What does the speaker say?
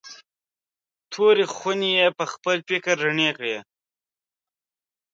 تورې خونې یې پخپل فکر رڼې کړې.